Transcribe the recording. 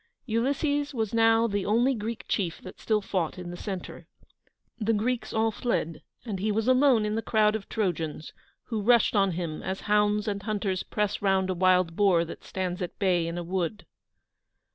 Ulysses was now the only Greek chief that still fought in the centre. The Greeks all fled, and he was alone in the crowd of Trojans, who rushed on him as hounds and hunters press round a wild boar that stands at bay in a wood.